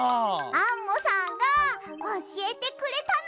アンモさんがおしえてくれたの！